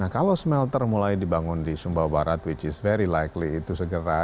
nah kalau smelter mulai dibangun di sumbawa barat which is very likely itu segera